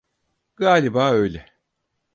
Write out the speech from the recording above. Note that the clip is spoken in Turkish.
Galiba öyle.